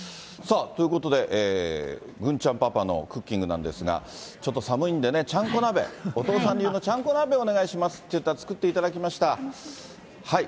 さあ、ということで、郡ちゃんパパのクッキングなんですが、ちょっと寒いんでね、ちゃんこ鍋、お父さん流のちゃんこ鍋をお願いしますって言ったら、作っていただきました。